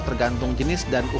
tergantung jenis dan ukuran